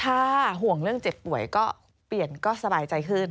ถ้าห่วงเรื่องเจ็บป่วยก็เปลี่ยนก็สบายใจขึ้น